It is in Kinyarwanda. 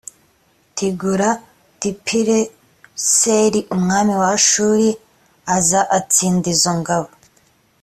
tigulatipileseri umwami wa ashuri araza atsinda izo ngabo